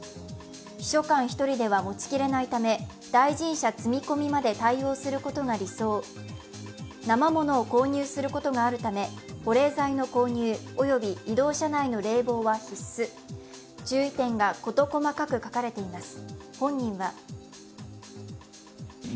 秘書官１人では持ちきれないため大臣車積み込みまで対応することが理想、なま物を購入することがあるため保冷剤の購入および移動車内の冷房は必須、注意点が事細かく書かれています。